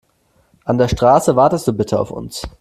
An der Straße wartest du bitte auf uns.